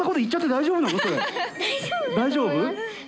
大丈夫？